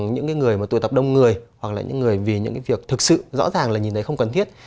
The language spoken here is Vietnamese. những người mà tụi tập đông người hoặc là những người vì những cái việc thực sự rõ ràng là nhìn thấy không cần thiết